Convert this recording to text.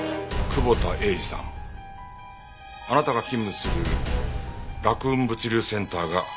久保田英司さんあなたが勤務する洛運物流センターが浮上しました。